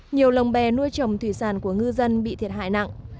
nhiều lồng bè nuôi trồng thủy sản của ngư dân bị thiệt hại nặng